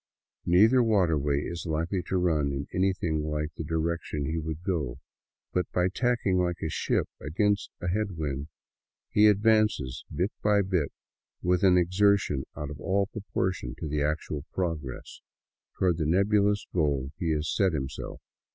Neither waterway is likely to run in anything like the direction he would go, but by tacking like a ship against a head wind he advances bit by bit, with an exertion out of all proportion to the actual progress, toward the nebulous goal he has set himself.